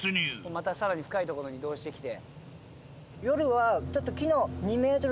また更に深い所に移動してきて。